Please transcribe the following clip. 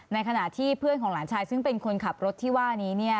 ในขณะที่เพื่อนของหลานชายซึ่งเป็นคนขับรถที่ว่านี้